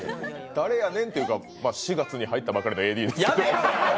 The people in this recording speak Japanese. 誰やねんというか、４月に入ったばかりのＡＤです。